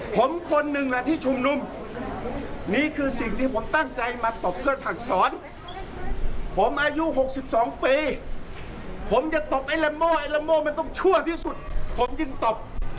ผมจะตบไอ้ลัมโมไอ้ลัมโมมันต้องชั่วที่สุดผมยึ่งตบ